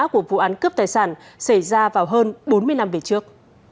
của vụ án cướp tài sản xảy ra vào hơn bốn mươi năm về trước